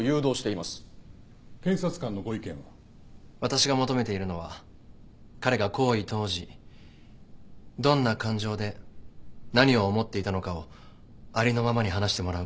私が求めているのは彼が行為当時どんな感情で何を思っていたのかをありのままに話してもらうことです。